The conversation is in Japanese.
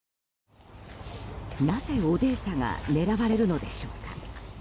なぜ、オデーサが狙われるのでしょうか。